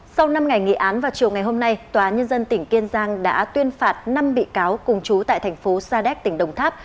sau năm ngày nghị án vào chiều ngày hôm nay tòa nhân dân tỉnh kiên giang đã tuyên phạt năm bị cáo cùng chú tại thành phố sa đéc tỉnh đồng tháp